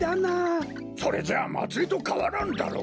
それじゃあまつりとかわらんだろう。